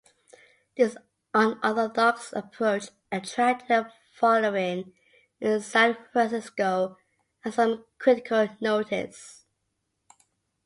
This unorthodox approach attracted a following in San Francisco, and some critical notice.